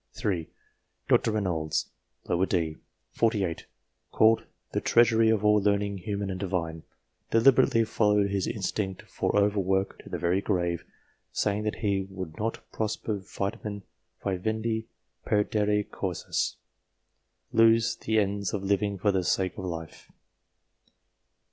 3. Dr. Rainolds, d. set. 48, called " the treasury of all learning, human and divine," deliberately followed his instinct for over work to the very grave, saying that he would not " propter vitam vivendi perdere causas," lose the ends of living for the sake of life.